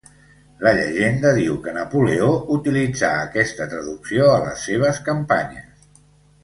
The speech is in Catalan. La llegenda diu que Napoleó utilitzà aquesta traducció a les seves campanyes.